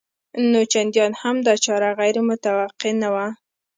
نو چندان هم دا چاره غیر متوقع نه وه